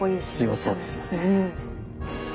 強そうですよね。